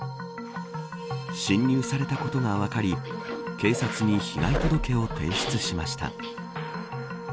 侵入されたことが分かり警察に被害届を提出しました。